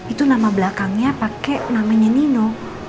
itu nama belakangnya pakai namanya nino